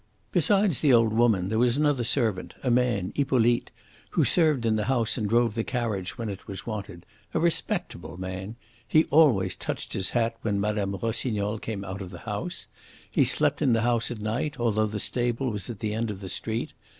"Besides the old woman there was another servant, a man, Hippolyte, who served in the house and drove the carriage when it was wanted a respectable man. He always touched his hat when Mme. Rossignol came out of the house. He slept in the house at night, although the stable was at the end of the street.